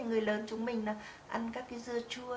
người lớn chúng mình ăn các dưa chua